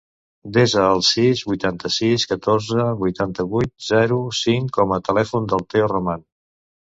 Desa el sis, vuitanta-sis, catorze, vuitanta-vuit, zero, cinc com a telèfon del Teo Roman.